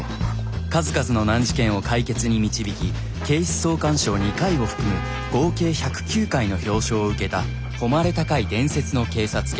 数々の難事件を解決に導き警視総監賞２回を含む合計１０９回の表彰を受けた誉れ高い伝説の警察犬。